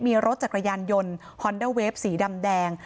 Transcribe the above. มีรถจักรยานยนต์ฮอนเดอร์เวฟสีดำแดง